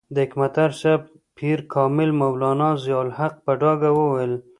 د حکمتیار صاحب پیر کامل مولانا ضیاء الحق په ډاګه وویل.